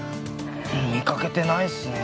うん見かけてないですね。